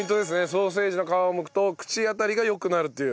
ソーセージの皮をむくと口当たりが良くなるという。